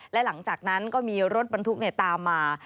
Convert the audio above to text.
และหลังจากนั้นก็มีรถบรรทุกตามมา